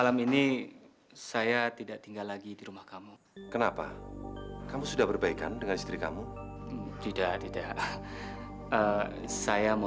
sampai jumpa di video selanjutnya